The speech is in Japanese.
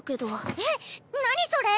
えっ⁉何それ！